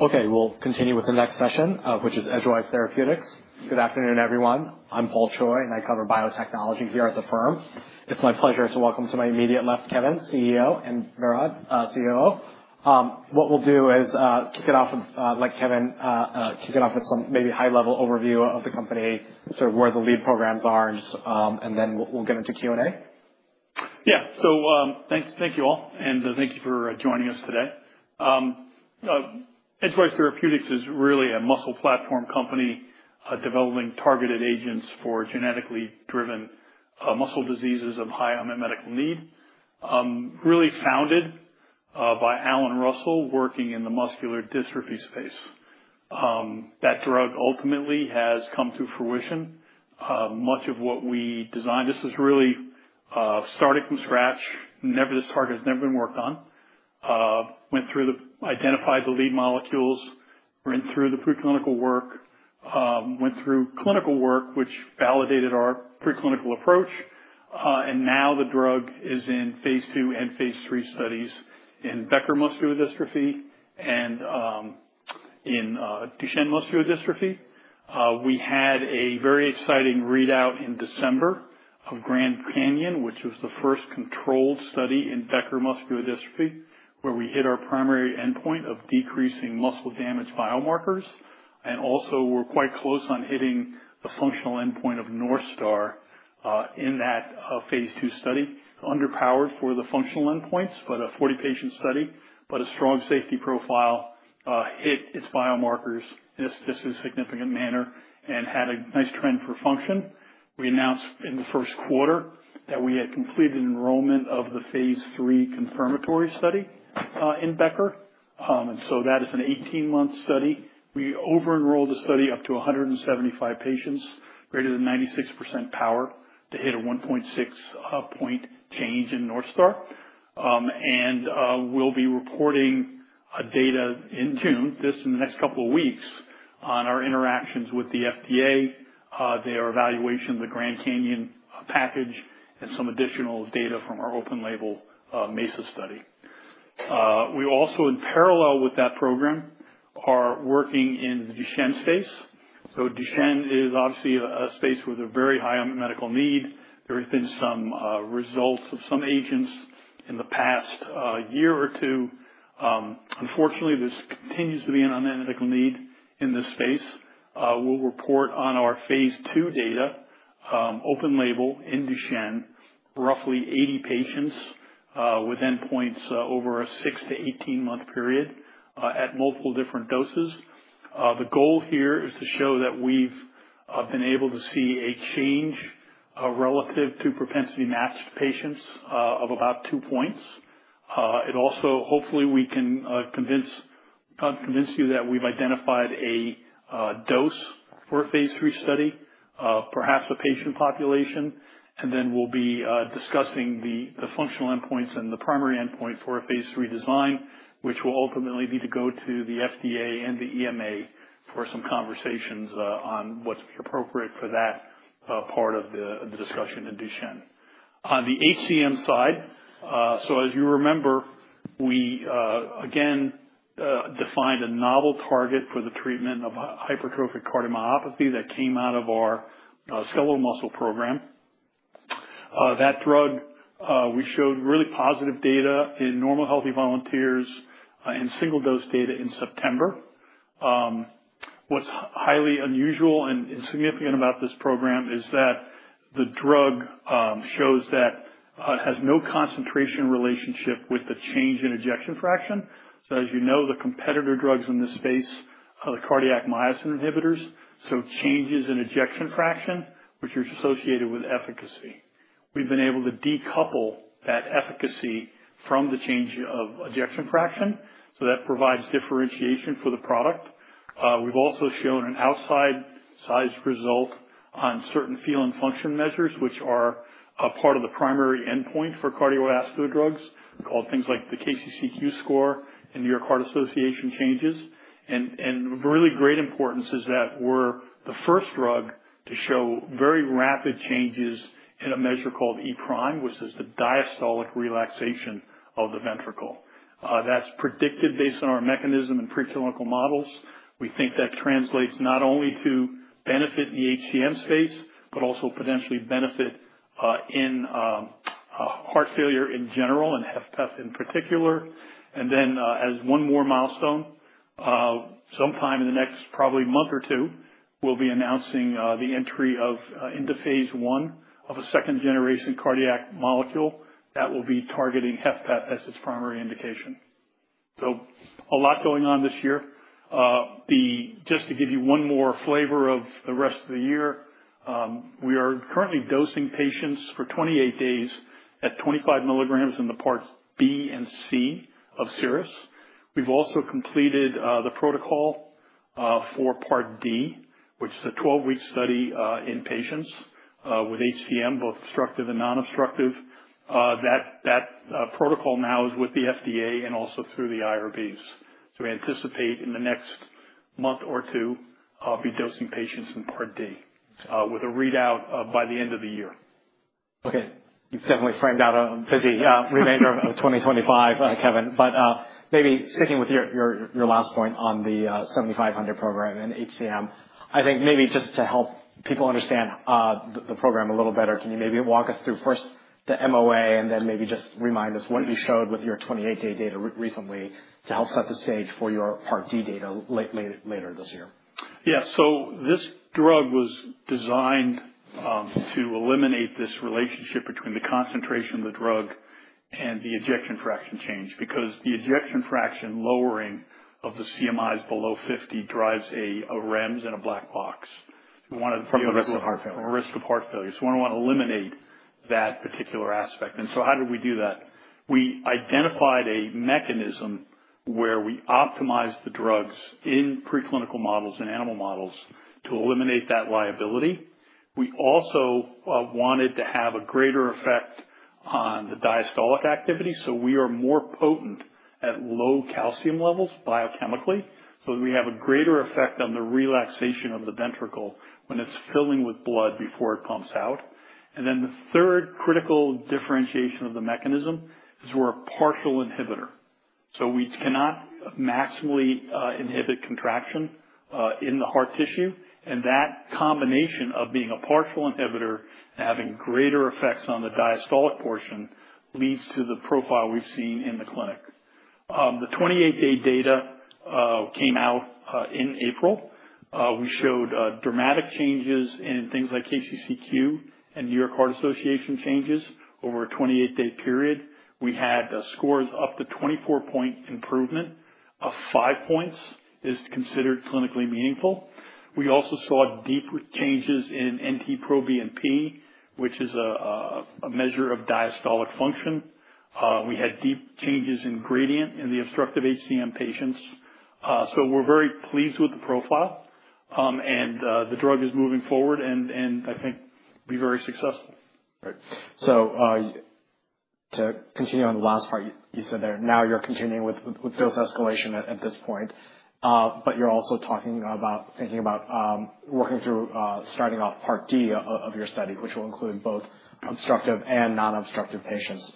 Okay, we'll continue with the next session, which is Edgewise Therapeutics. Good afternoon, everyone. I'm Paul Choi, and I cover biotechnology here at the firm. It's my pleasure to welcome to my immediate left Kevin, CEO, and Behrad, COO. What we'll do is kick it off with, like Kevin, kick it off with some maybe high-level overview of the company, sort of where the lead programs are, and then we'll get into Q&A. Yeah, so thank you all, and thank you for joining us today. Edgewise Therapeutics is really a muscle platform company developing targeted agents for genetically driven muscle diseases of high medical need, really founded by Alan Russell working in the muscular dystrophy space. That drug ultimately has come to fruition. Much of what we designed, this is really started from scratch. Never this target has never been worked on. Went through the identified the lead molecules, went through the preclinical work, went through clinical work, which validated our preclinical approach, and now the drug is in phase two and phase three studies in Becker muscular dystrophy and in Duchenne muscular dystrophy. We had a very exciting readout in December of Grand Canyon, which was the first controlled study in Becker muscular dystrophy, where we hit our primary endpoint of decreasing muscle damage biomarkers, and also we were quite close on hitting the functional endpoint of North Star in that phase two study. Underpowered for the functional endpoints, but a 40-patient study, but a strong safety profile hit its biomarkers in a statistically significant manner and had a nice trend for function. We announced in the first quarter that we had completed enrollment of the phase three confirmatory study in Becker, and so that is an 18-month study. We over-enrolled the study up to 175 patients, greater than 96% power to hit a 1.6-point change in North Star, and we'll be reporting data in June, this and the next couple of weeks, on our interactions with the FDA, their evaluation of the Grand Canyon package, and some additional data from our open-label MESA study. We also, in parallel with that program, are working in the Duchenne space. Duchenne is obviously a space with a very high medical need. There have been some results of some agents in the past year or two. Unfortunately, this continues to be an unmet need in this space. We'll report on our phase two data, open-label in Duchenne, roughly 80 patients with endpoints over a six to 18 month period at multiple different doses. The goal here is to show that we've been able to see a change relative to propensity matched patients of about two points. It also, hopefully, we can convince you that we've identified a dose for a phase three study, perhaps a patient population, and then we'll be discussing the functional endpoints and the primary endpoint for a phase three design, which will ultimately need to go to the FDA and the EMA for some conversations on what's appropriate for that part of the discussion in Duchenne. On the HCM side, as you remember, we again defined a novel target for the treatment of hypertrophic cardiomyopathy that came out of our skeletal muscle program. That drug, we showed really positive data in normal healthy volunteers and single-dose data in September. What's highly unusual and significant about this program is that the drug shows that it has no concentration relationship with the change in ejection fraction. As you know, the competitor drugs in this space are the cardiac myosin inhibitors, so changes in ejection fraction, which are associated with efficacy. We've been able to decouple that efficacy from the change of ejection fraction, so that provides differentiation for the product. We've also shown an outsized result on certain feel and function measures, which are a part of the primary endpoint for cardiovascular drugs, called things like the KCCQ score and New York Heart Association changes. Of really great importance is that we're the first drug to show very rapid changes in a measure called E/e', which is the diastolic relaxation of the ventricle. That's predicted based on our mechanism and preclinical models. We think that translates not only to benefit the HCM space, but also potentially benefit in heart failure in general and HFpEF in particular. As one more milestone, sometime in the next probably month or two, we'll be announcing the entry into phase one of a second-generation cardiac molecule that will be targeting HFpEF as its primary indication. A lot going on this year. Just to give you one more flavor of the rest of the year, we are currently dosing patients for 28 days at 25 mg in the parts B and C of SIRRUS. We've also completed the protocol for part D, which is a 12-week study in patients with HCM, both obstructive and non-obstructive. That protocol now is with the FDA and also through the IRBs. We anticipate in the next month or two, I'll be dosing patients in part D with a readout by the end of the year. Okay. You've definitely framed out a busy remainder of 2025, Kevin, but maybe sticking with your last point on the 7500 program and HCM, I think maybe just to help people understand the program a little better, can you maybe walk us through first the MOA and then maybe just remind us what you showed with your 28-day data recently to help set the stage for your part D data later this year? Yeah, so this drug was designed to eliminate this relationship between the concentration of the drug and the ejection fraction change because the ejection fraction lowering of the CMIs below 50 drives a REMS and a black box. From the risk of heart failure. From the risk of heart failure. We want to eliminate that particular aspect. How did we do that? We identified a mechanism where we optimized the drugs in preclinical models and animal models to eliminate that liability. We also wanted to have a greater effect on the diastolic activity, so we are more potent at low calcium levels biochemically, so that we have a greater effect on the relaxation of the ventricle when it's filling with blood before it pumps out. The third critical differentiation of the mechanism is we're a partial inhibitor. We cannot maximally inhibit contraction in the heart tissue, and that combination of being a partial inhibitor and having greater effects on the diastolic portion leads to the profile we've seen in the clinic. The 28-day data came out in April. We showed dramatic changes in things like KCCQ and New York Heart Association changes over a 28-day period. We had scores up to 24-point improvement. Five points is considered clinically meaningful. We also saw deep changes in NT-proBNP, which is a measure of diastolic function. We had deep changes in gradient in the obstructive HCM patients. We are very pleased with the profile, and the drug is moving forward, and I think we will be very successful. Right. To continue on the last part, you said that now you're continuing with dose escalation at this point, but you're also talking about thinking about working through starting off part D of your study, which will include both obstructive and non-obstructive patients.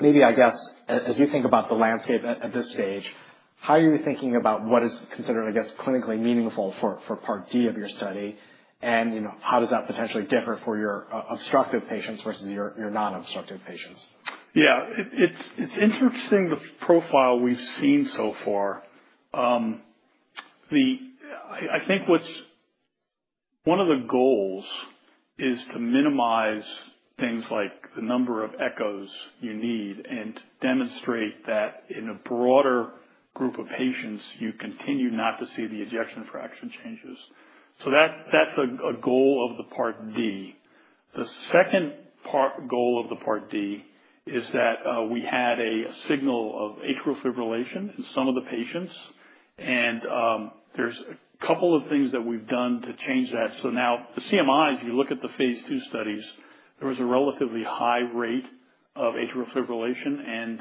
Maybe, I guess, as you think about the landscape at this stage, how are you thinking about what is considered, I guess, clinically meaningful for part D of your study, and how does that potentially differ for your obstructive patients versus your non-obstructive patients? Yeah, it's interesting the profile we've seen so far. I think one of the goals is to minimize things like the number of echoes you need and to demonstrate that in a broader group of patients, you continue not to see the ejection fraction changes. That's a goal of the part D. The second goal of the part D is that we had a signal of atrial fibrillation in some of the patients, and there's a couple of things that we've done to change that. Now the CMIs, you look at the phase two studies, there was a relatively high rate of atrial fibrillation, and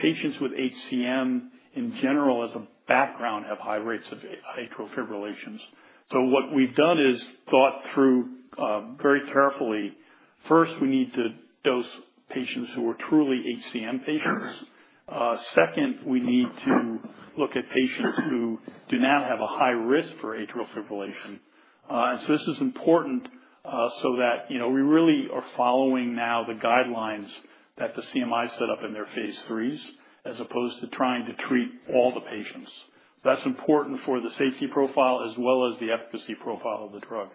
patients with HCM in general as a background have high rates of atrial fibrillation. What we've done is thought through very carefully. First, we need to dose patients who are truly HCM patients. Second, we need to look at patients who do not have a high risk for atrial fibrillation. This is important so that we really are following now the guidelines that the CMI set up in their phase threes as opposed to trying to treat all the patients. That is important for the safety profile as well as the efficacy profile of the drug.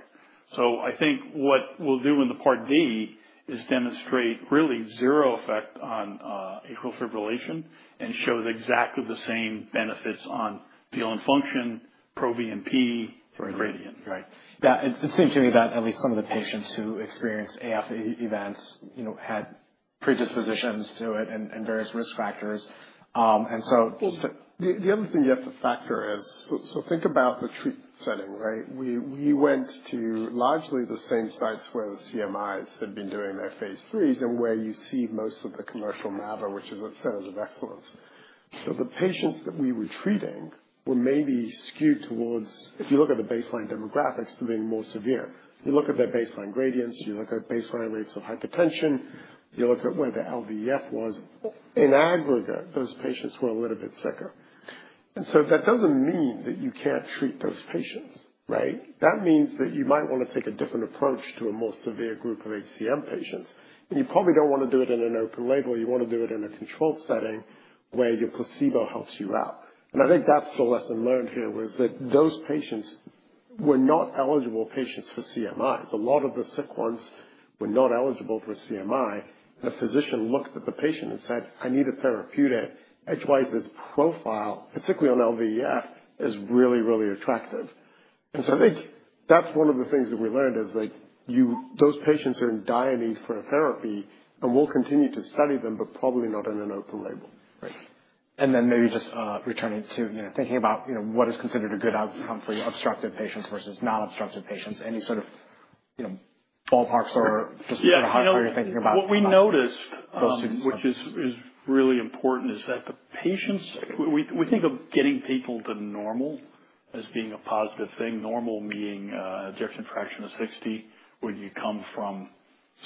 I think what we will do in the part D is demonstrate really zero effect on atrial fibrillation and show exactly the same benefits on feel and function, NT-proBNP, and gradient. Right. Yeah, it seemed to me that at least some of the patients who experienced AF events had predispositions to it and various risk factors. And so. The other thing you have to factor is, so think about the treatment setting, right? We went to largely the same sites where the CMIs had been doing their phase threes and where you see most of the commercial MABA, which is a center of excellence. The patients that we were treating were maybe skewed towards, if you look at the baseline demographics, to being more severe. You look at their baseline gradients, you look at baseline rates of hypertension, you look at where the LVEF was. In aggregate, those patients were a little bit sicker. That does not mean that you cannot treat those patients, right? That means that you might want to take a different approach to a more severe group of HCM patients, and you probably do not want to do it in an open label. You want to do it in a controlled setting where your placebo helps you out. I think that's the lesson learned here was that those patients were not eligible patients for CMIs. A lot of the sick ones were not eligible for CMI, and a physician looked at the patient and said, "I need a therapeutic. HCM's profile, particularly on LVEF, is really, really attractive." I think that's one of the things that we learned is that those patients are in dire need for a therapy, and we'll continue to study them, but probably not in an open label. Right. Maybe just returning to thinking about what is considered a good outcome for your obstructive patients versus non-obstructive patients, any sort of ballparks or just how you're thinking about. What we noticed, which is really important, is that the patients, we think of getting people to normal as being a positive thing, normal meaning ejection fraction of 60. When you come from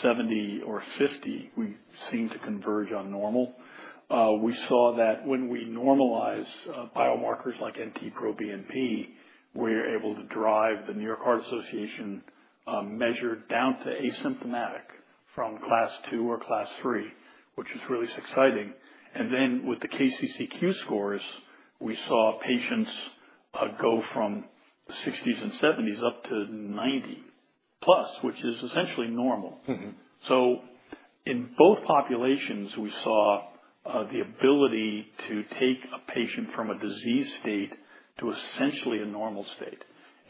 70 or 50, we seem to converge on normal. We saw that when we normalize biomarkers like NT-proBNP, we're able to drive the New York Heart Association measure down to asymptomatic from class two or class three, which is really exciting. With the KCCQ scores, we saw patients go from the 60s and 70s up to 90 plus, which is essentially normal. In both populations, we saw the ability to take a patient from a disease state to essentially a normal state.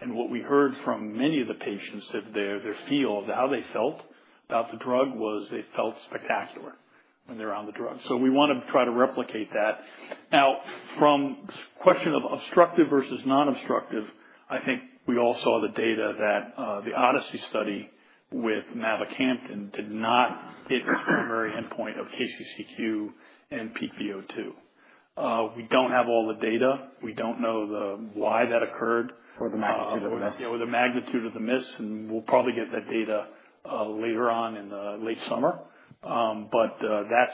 What we heard from many of the patients said their feel of how they felt about the drug was they felt spectacular when they were on the drug. We want to try to replicate that. Now, from the question of obstructive versus non-obstructive, I think we all saw the data that the Odyssey study with Camzyos did not hit the primary endpoint of KCCQ and PPO2. We do not have all the data. We do not know why that occurred. Or the magnitude of the miss. Yeah, or the magnitude of the miss, and we'll probably get that data later on in the late summer. That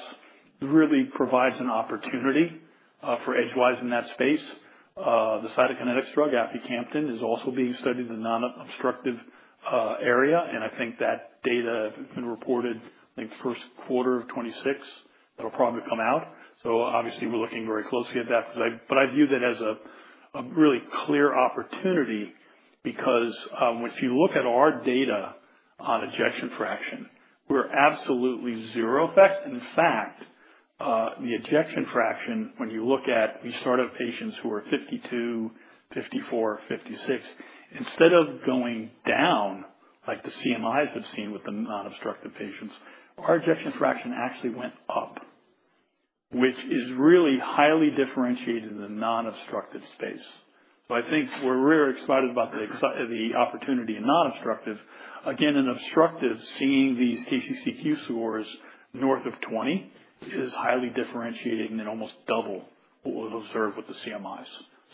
really provides an opportunity for HCM in that space. The Cytokinetics drug, aficamten, is also being studied in the non-obstructive area, and I think that data has been reported in the first quarter of 2026. It'll probably come out. Obviously, we're looking very closely at that, but I view that as a really clear opportunity because if you look at our data on ejection fraction, we're absolutely zero effect. In fact, the ejection fraction, when you look at restarted patients who are 52, 54, 56, instead of going down like the CMIs have seen with the non-obstructive patients, our ejection fraction actually went up, which is really highly differentiated in the non-obstructive space. I think we're really excited about the opportunity in non-obstructive. Again, in obstructive, seeing these KCCQ scores north of 20 is highly differentiated and then almost double what we've observed with the CMIs.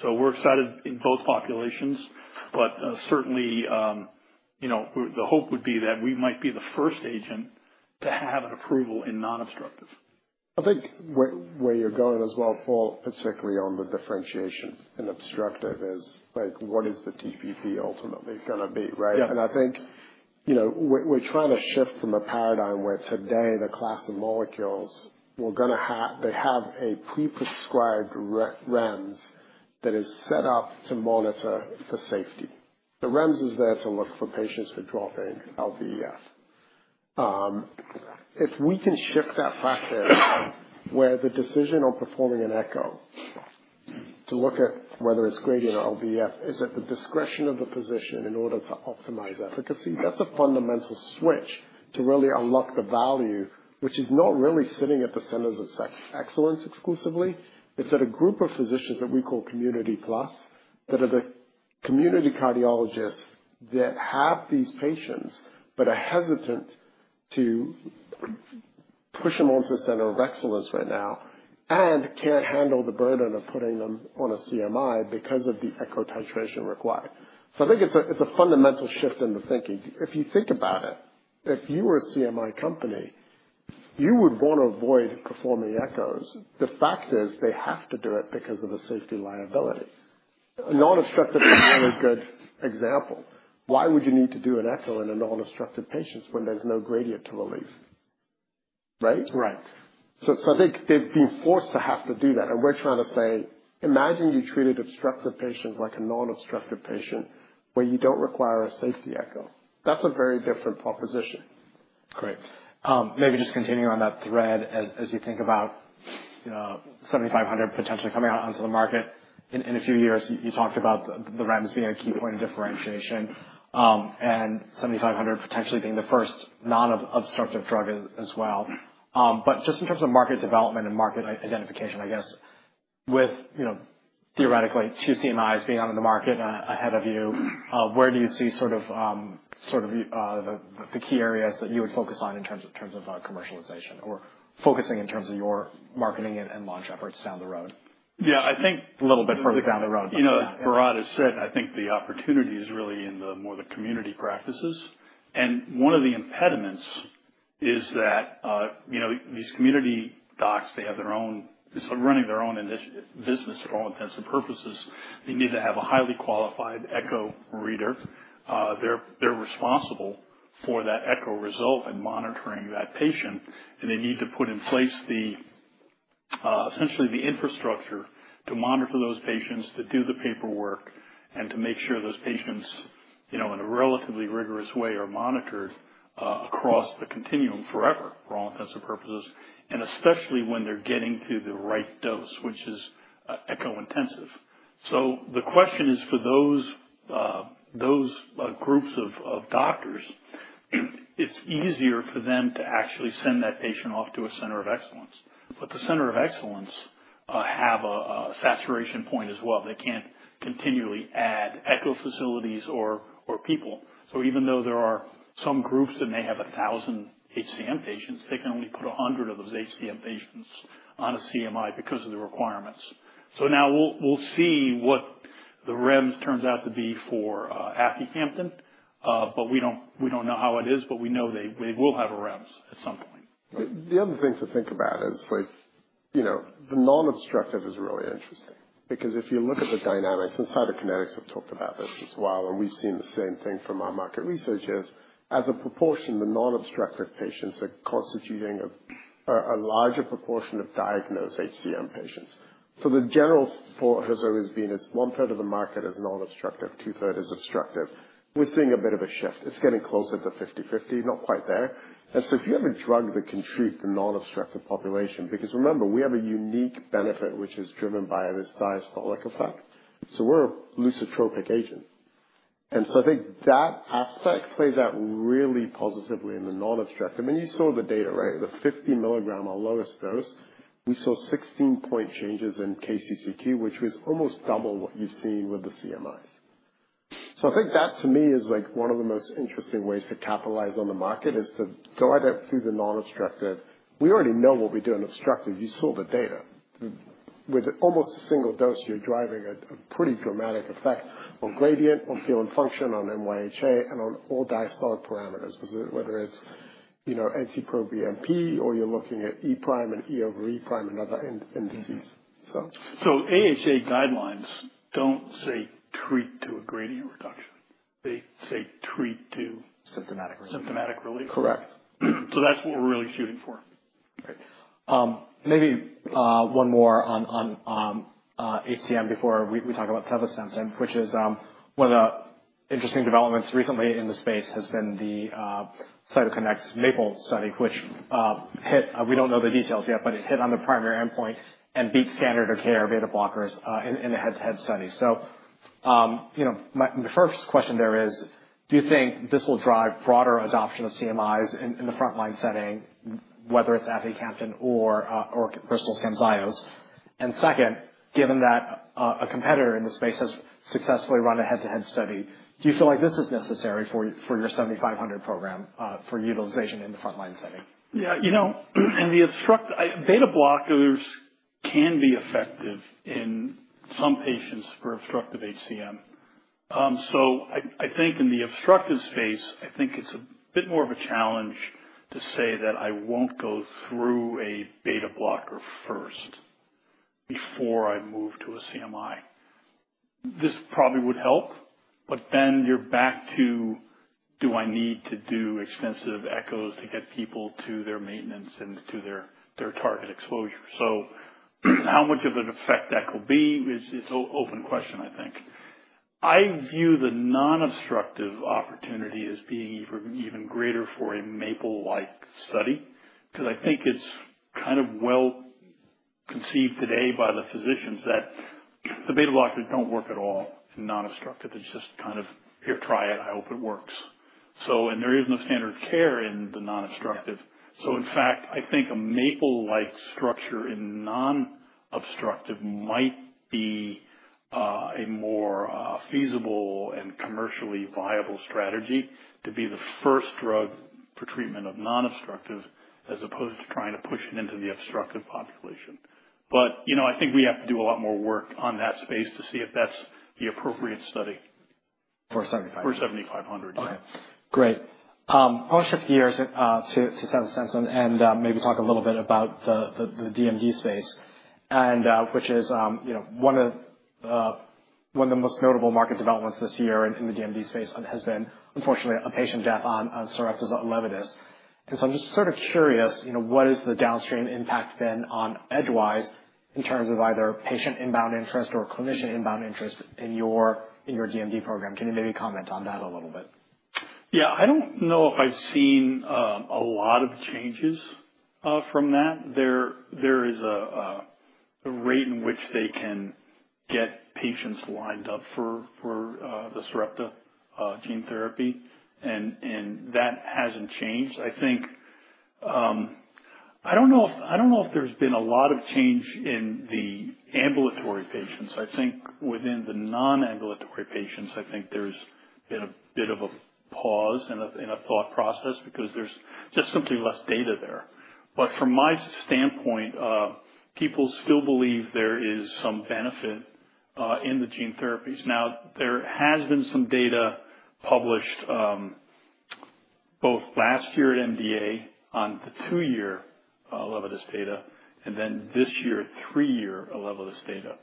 So we're excited in both populations, but certainly, the hope would be that we might be the first agent to have an approval in non-obstructive. I think where you're going as well, Paul, particularly on the differentiation in obstructive is what is the TPP ultimately going to be, right? I think we're trying to shift from a paradigm where today the class of molecules will have a pre-prescribed REMS that is set up to monitor for safety. The REMS is there to look for patients who are dropping LVEF. If we can shift that practice where the decision on performing an echo to look at whether it's gradient or LVEF is at the discretion of the physician in order to optimize efficacy, that's a fundamental switch to really unlock the value, which is not really sitting at the centers of excellence exclusively. It's at a group of physicians that we call community plus that are the community cardiologists that have these patients but are hesitant to push them onto a center of excellence right now and can't handle the burden of putting them on a CMI because of the echo titration required. I think it's a fundamental shift in the thinking. If you think about it, if you were a CMI company, you would want to avoid performing echoes. The fact is they have to do it because of a safety liability. Non-obstructive is a really good example. Why would you need to do an echo in a non-obstructive patient when there's no gradient to relief, right? Right. I think they've been forced to have to do that. We're trying to say, imagine you treated obstructive patients like a non-obstructive patient where you don't require a safety echo. That's a very different proposition. Great. Maybe just continuing on that thread as you think about 7500 potentially coming out onto the market in a few years, you talked about the REMS being a key point of differentiation and 7500 potentially being the first non-obstructive drug as well. Just in terms of market development and market identification, I guess, with theoretically two CMIs being out on the market ahead of you, where do you see sort of the key areas that you would focus on in terms of commercialization or focusing in terms of your marketing and launch efforts down the road? Yeah, I think. A little bit further down the road. You know, as Behrad has said, I think the opportunity is really in more of the community practices. One of the impediments is that these community docs, they have their own running their own business for all intents and purposes. They need to have a highly qualified echo reader. They're responsible for that echo result and monitoring that patient, and they need to put in place essentially the infrastructure to monitor those patients, to do the paperwork, and to make sure those patients in a relatively rigorous way are monitored across the continuum forever for all intents and purposes, especially when they're getting to the right dose, which is echo intensive. The question is for those groups of doctors, it's easier for them to actually send that patient off to a center of excellence. The center of excellence has a saturation point as well. They can't continually add echo facilities or people. Even though there are some groups that may have 1,000 HCM patients, they can only put 100 of those HCM patients on a CMI because of the requirements. Now we'll see what the REMS turns out to be for aficamten, but we don't know how it is, but we know they will have a REMS at some point. The other thing to think about is the non-obstructive is really interesting because if you look at the dynamics and Cytokinetics, I've talked about this as well, and we've seen the same thing from our market researchers, as a proportion, the non-obstructive patients are constituting a larger proportion of diagnosed HCM patients. The general thought has always been it's one third of the market is non-obstructive, two thirds is obstructive. We're seeing a bit of a shift. It's getting closer to 50-50, not quite there. If you have a drug that can treat the non-obstructive population, because remember, we have a unique benefit which is driven by this diastolic effect. We're a lusotropic agent. I think that aspect plays out really positively in the non-obstructive. You saw the data, right? The 50 milligram, our lowest dose, we saw 16-point changes in KCCQ, which was almost double what you've seen with the CMIs. I think that to me is one of the most interesting ways to capitalize on the market is to go through the non-obstructive. We already know what we do in obstructive. You saw the data. With almost a single dose, you're driving a pretty dramatic effect on gradient, on feel and function, on NYHA, and on all diastolic parameters, whether it's NT-proBNP or you're looking at E prime and E over E prime and other indices. AHA guidelines don't say treat to a gradient reduction. They say treat to. Symptomatic relief. Symptomatic relief. Correct. That's what we're really shooting for. Great. Maybe one more on HCM before we talk about Sevasemten, which is one of the interesting developments recently in the space has been the Cytokinetics MAPLE study, which hit, we don't know the details yet, but it hit on the primary endpoint and beat standard of care beta blockers in a head-to-head study. My first question there is, do you think this will drive broader adoption of CMIs in the frontline setting, whether it's Aficamten or Bristol Myers Squibb's Camzyos? Second, given that a competitor in the space has successfully run a head-to-head study, do you feel like this is necessary for your 7500 program for utilization in the frontline setting? Yeah. You know, in the obstructive, beta blockers can be effective in some patients for obstructive HCM. I think in the obstructive space, I think it's a bit more of a challenge to say that I won't go through a beta blocker first before I move to a CMI. This probably would help, but then you're back to do I need to do extensive echoes to get people to their maintenance and to their target exposure? How much of an effect that will be is an open question, I think. I view the non-obstructive opportunity as being even greater for a Maple-like study because I think it's kind of well conceived today by the physicians that the beta blockers don't work at all in non-obstructive. It's just kind of, here, try it. I hope it works. There is no standard of care in the non-obstructive. In fact, I think a Maple-like structure in non-obstructive might be a more feasible and commercially viable strategy to be the first drug for treatment of non-obstructive as opposed to trying to push it into the obstructive population. I think we have to do a lot more work on that space to see if that's the appropriate study. For 7500. For 7500, yeah. Okay. Great. I want to shift gears to Sevasemten and maybe talk a little bit about the DMD space, which is one of the most notable market developments this year in the DMD space has been, unfortunately, a patient death on Sarepta's Elevidys. I am just sort of curious, what has the downstream impact been on Edgewise in terms of either patient inbound interest or clinician inbound interest in your DMD program? Can you maybe comment on that a little bit? Yeah. I don't know if I've seen a lot of changes from that. There is a rate in which they can get patients lined up for the Sarepta gene therapy, and that hasn't changed. I don't know if there's been a lot of change in the ambulatory patients. I think within the non-ambulatory patients, I think there's been a bit of a pause in a thought process because there's just simply less data there. From my standpoint, people still believe there is some benefit in the gene therapies. There has been some data published both last year at MDA on the two-year Elevidys data and then this year, three-year Elevidys data.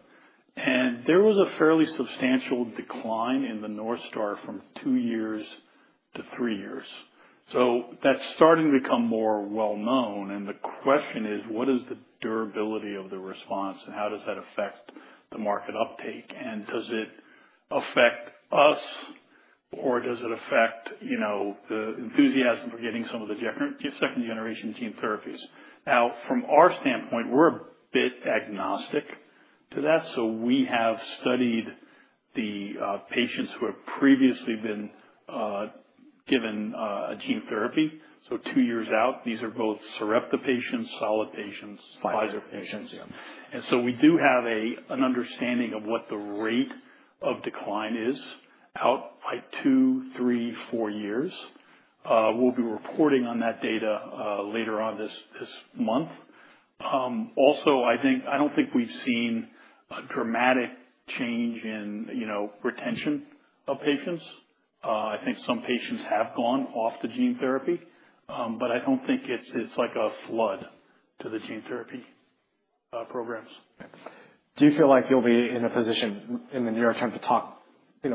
There was a fairly substantial decline in the North Star from two years to three years. That's starting to become more well-known, and the question is, what is the durability of the response and how does that affect the market uptake? Does it affect us or does it affect the enthusiasm for getting some of the second-generation gene therapies? From our standpoint, we're a bit agnostic to that. We have studied the patients who have previously been given a gene therapy. Two years out, these are both Sarepta patients, Solid Biosciences patients, Pfizer patients. We do have an understanding of what the rate of decline is out by two, three, four years. We'll be reporting on that data later on this month. Also, I don't think we've seen a dramatic change in retention of patients. I think some patients have gone off the gene therapy, but I don't think it's like a flood to the gene therapy programs. Do you feel like you'll be in a position in the near term to talk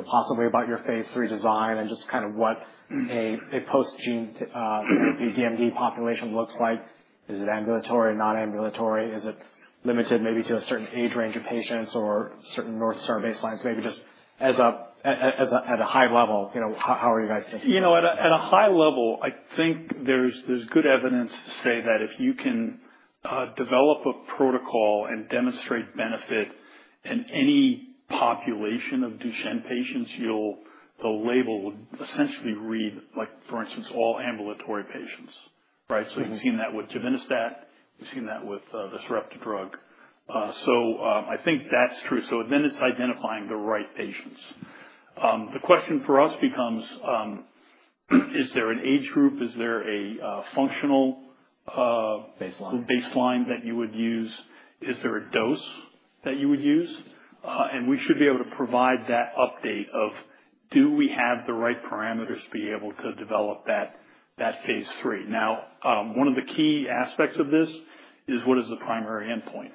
possibly about your phase three design and just kind of what a post-gene DMD population looks like? Is it ambulatory, non-ambulatory? Is it limited maybe to a certain age range of patients or certain North Star baselines? Maybe just at a high level, how are you guys thinking? You know, at a high level, I think there's good evidence to say that if you can develop a protocol and demonstrate benefit in any population of Duchenne patients, the label will essentially read, for instance, all ambulatory patients, right? You have seen that with Givinostat. You have seen that with the Sarepta drug. I think that's true. Then it's identifying the right patients. The question for us becomes, is there an age group? Is there a functional baseline that you would use? Is there a dose that you would use? We should be able to provide that update of do we have the right parameters to be able to develop that phase three. Now, one of the key aspects of this is what is the primary endpoint?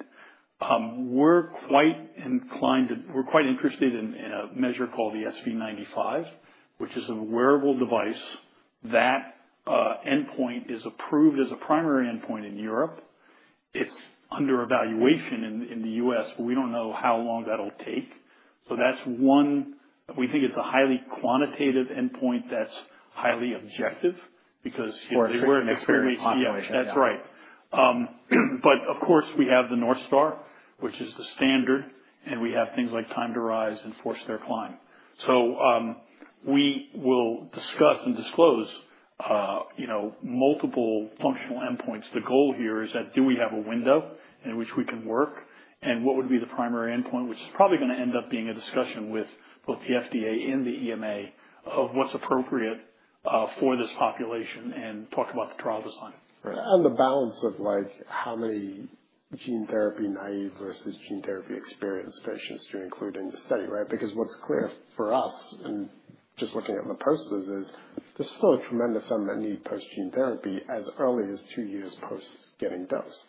We're quite inclined to, we're quite interested in a measure called the SV95, which is a wearable device. That endpoint is approved as a primary endpoint in Europe. It's under evaluation in the U.S., but we don't know how long that'll take. That's one, we think it's a highly quantitative endpoint that's highly objective because it's very complex. For experience evaluation. That's right. Of course, we have the North Star, which is the standard, and we have things like Time to Rise and Forced Air Climb. We will discuss and disclose multiple functional endpoints. The goal here is that do we have a window in which we can work, and what would be the primary endpoint, which is probably going to end up being a discussion with both the FDA and the EMA of what's appropriate for this population and talk about the trial design. The balance of how many gene therapy naive versus gene therapy experienced patients do you include in the study, right? Because what's clear for us, and just looking at the posters, is there's still a tremendous amount that need post-gene therapy as early as two years post getting dosed.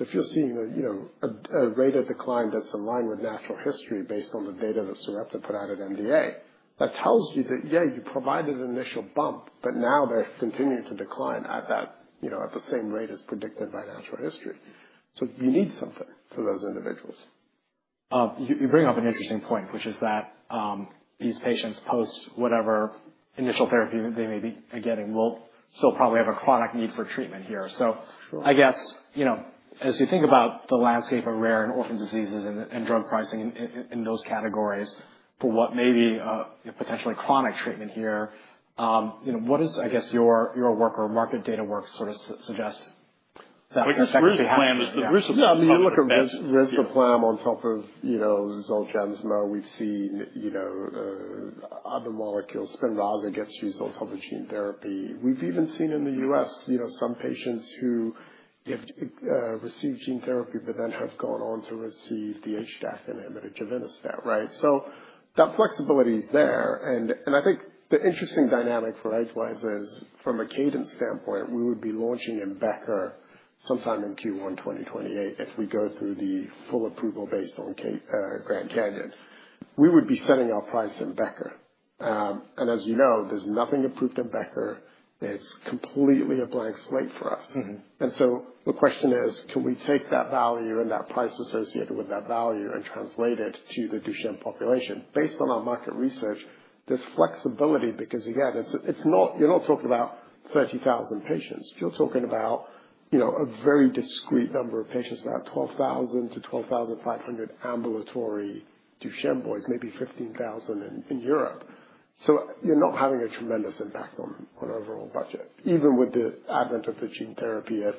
If you're seeing a rate of decline that's in line with natural history based on the data that Sarepta put out at MDA, that tells you that, yeah, you provided an initial bump, but now they're continuing to decline at the same rate as predicted by natural history. You need something for those individuals. You bring up an interesting point, which is that these patients post whatever initial therapy that they may be getting will still probably have a chronic need for treatment here. I guess, as you think about the landscape of rare and orphan diseases and drug pricing in those categories for what may be potentially chronic treatment here, what is, I guess, your work or market data work sort of suggests that perspective? We're supplying the risk of gene therapy. Yeah, I mean, you look at risk of [plan] on top of Zolgensma. We've seen other molecules, Spinraza gets used on top of gene therapy. We've even seen in the U.S. some patients who have received gene therapy but then have gone on to receive the HDAC inhibitor, Juvenistat, right? That flexibility is there. I think the interesting dynamic for Edgewise is from a cadence standpoint, we would be launching Embecca sometime in Q1 2028 if we go through the full approval based on Grand Canyon. We would be setting our price in Embecta. As you know, there's nothing approved in Embecta. It's completely a blank slate for us. The question is, can we take that value and that price associated with that value and translate it to the Duchenne population? Based on our market research, there's flexibility because, again, you're not talking about 30,000 patients. You're talking about a very discrete number of patients, about 12,000-12,500 ambulatory Duchenne boys, maybe 15,000 in Europe. You're not having a tremendous impact on overall budget, even with the advent of the gene therapy at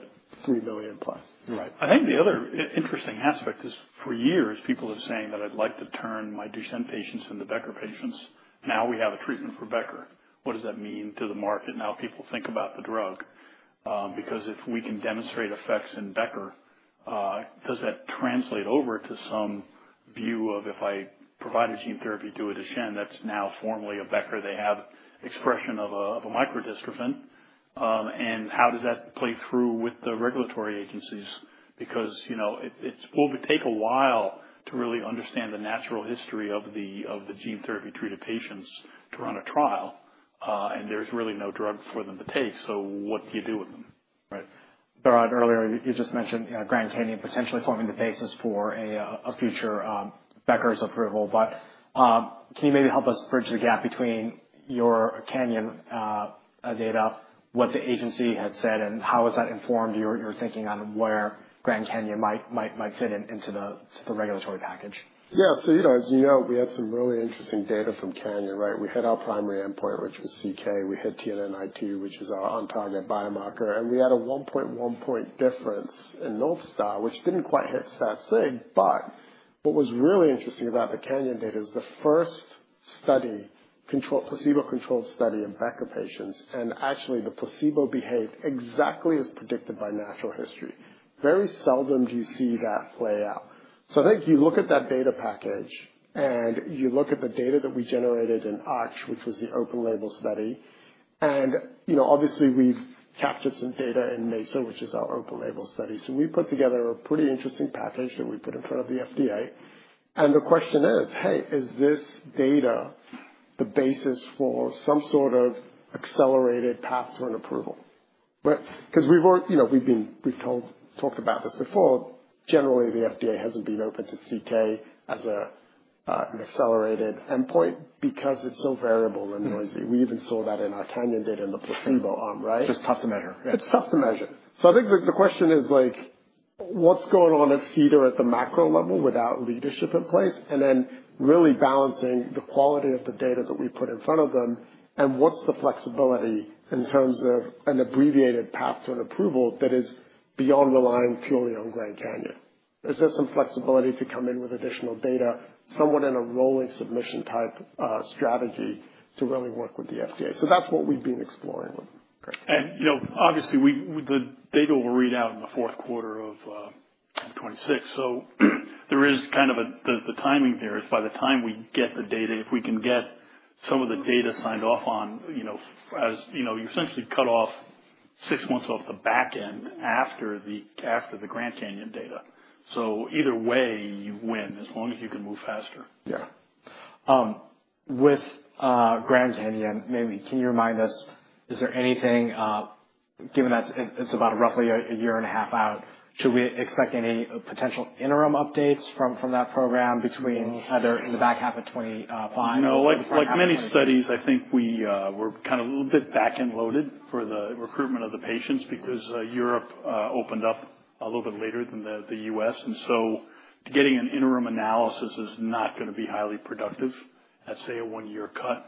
$3 million plus. Right. I think the other interesting aspect is for years, people have been saying that I'd like to turn my Duchenne patients into Becker patients. Now we have a treatment for Becker. What does that mean to the market now people think about the drug? Because if we can demonstrate effects in Becker, does that translate over to some view of if I provide a gene therapy to a Duchenne that's now formally Becker, they have expression of a microdystrophin? And how does that play through with the regulatory agencies? Because it will take a while to really understand the natural history of the gene therapy-treated patients to run a trial, and there's really no drug for them to take. What do you do with them? Right. Earlier, you just mentioned Grand Canyon potentially forming the basis for a future Embecca's approval. Can you maybe help us bridge the gap between your Canyon data, what the agency has said, and how has that informed your thinking on where Grand Canyon might fit into the regulatory package? Yeah. As you know, we had some really interesting data from Canyon, right? We hit our primary endpoint, which was CK. We hit TNNI2, which is our on-target biomarker. We had a 1.1 point difference in North Star, which did not quite hit stat-sig. What was really interesting about the Canyon data is it is the first placebo-controlled study in Embecta patients, and actually the placebo behaved exactly as predicted by natural history. Very seldom do you see that play out. I think you look at that data package and you look at the data that we generated in ARCH, which was the open label study. Obviously, we have captured some data in NASA, which is our open label study. We put together a pretty interesting package that we put in front of the FDA. The question is, hey, is this data the basis for some sort of accelerated path to an approval? Because we've talked about this before. Generally, the FDA hasn't been open to CK as an accelerated endpoint because it's so variable and noisy. We even saw that in our Canyon data in the placebo arm, right? It's just tough to measure. It's tough to measure. I think the question is, what's going on at CDER at the macro level without leadership in place? Then really balancing the quality of the data that we put in front of them and what's the flexibility in terms of an abbreviated path to an approval that is beyond relying purely on Grand Canyon? Is there some flexibility to come in with additional data, somewhat in a rolling submission type strategy to really work with the FDA? That's what we've been exploring with. Great. Obviously, the data will read out in the fourth quarter of 2026. There is kind of the timing there is by the time we get the data, if we can get some of the data signed off on, you essentially cut off six months off the back end after the Grand Canyon data. Either way, you win as long as you can move faster. Yeah. With Grand Canyon, maybe can you remind us, is there anything, given that it's about roughly a year and a half out, should we expect any potential interim updates from that program either in the back half of 2025? No. Like many studies, I think we're kind of a little bit back and loaded for the recruitment of the patients because Europe opened up a little bit later than the U.S. Getting an interim analysis is not going to be highly productive. That's a one-year cut.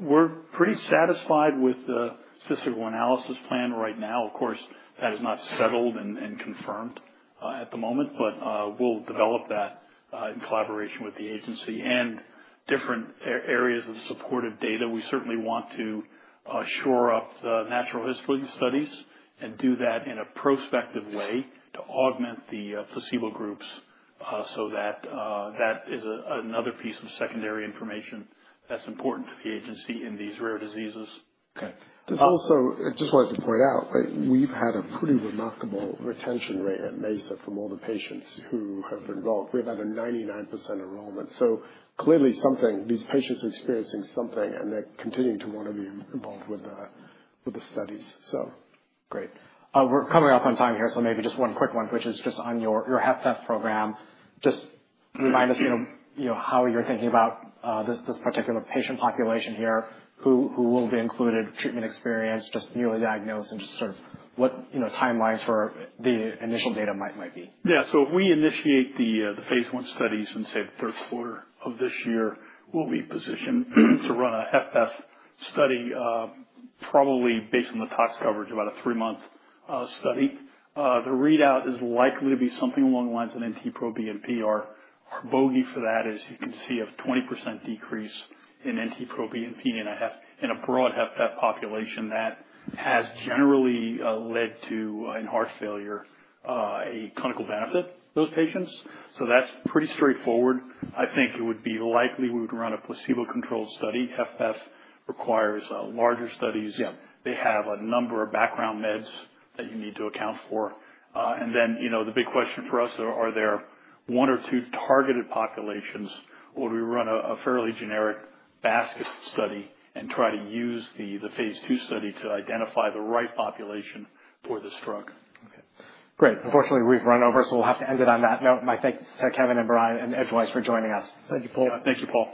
We're pretty satisfied with the statistical analysis plan right now. Of course, that is not settled and confirmed at the moment, but we'll develop that in collaboration with the agency and different areas of supportive data. We certainly want to shore up the natural history studies and do that in a prospective way to augment the placebo groups so that that is another piece of secondary information that's important to the agency in these rare diseases. Okay. Just wanted to point out, we've had a pretty remarkable retention rate at Edgewise Therapeutics from all the patients who have been involved. We've had a 99% enrollment. Clearly, these patients are experiencing something and they're continuing to want to be involved with the studies. Great. We're coming up on time here, so maybe just one quick one, which is just on your HEFF program. Just remind us how you're thinking about this particular patient population here, who will be included, treatment experience, just newly diagnosed, and just sort of what timelines for the initial data might be. Yeah. If we initiate the phase I studies in, say, the third quarter of this year, we'll be positioned to run a heart failure with preserved ejection fraction study probably based on the tox coverage, about a three-month study. The readout is likely to be something along the lines of NT-proBNP. Our bogey for that is, you can see a 20% decrease in NT-proBNP in a broad heart failure with preserved ejection fraction population that has generally led to, in heart failure, a clinical benefit, those patients. That is pretty straightforward. I think it would be likely we would run a placebo-controlled study. Heart failure with preserved ejection fraction requires larger studies. They have a number of background meds that you need to account for. The big question for us, are there one or two targeted populations? Or do we run a fairly generic basket study and try to use the phase two study to identify the right population for this drug? Okay. Great. Unfortunately, we've run over, so we'll have to end it on that note. My thanks to Kevin and Behrad and Edgewise for joining us. Thank you both. Thank you both.